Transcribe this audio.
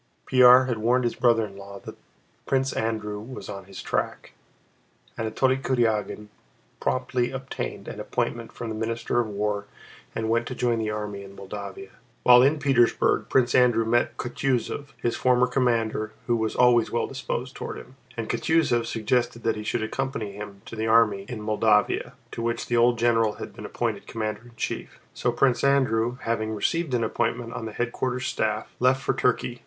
Pierre had warned his brother in law that Prince Andrew was on his track. Anatole Kurágin promptly obtained an appointment from the Minister of War and went to join the army in Moldavia. While in Petersburg Prince Andrew met Kutúzov, his former commander who was always well disposed toward him, and Kutúzov suggested that he should accompany him to the army in Moldavia, to which the old general had been appointed commander in chief. So Prince Andrew, having received an appointment on the headquarters staff, left for Turkey.